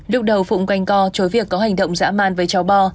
đúc đầu phụng quanh co chối việc có hành động dã man với cháu bò